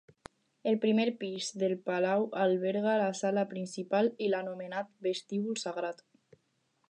El primer pis del palau alberga la sala principal i l'anomenat Vestíbul Sagrat.